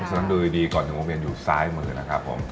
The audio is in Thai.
ฉะนั้นดูดีก่อนถึงวงเวียนอยู่ซ้ายมือนะครับผม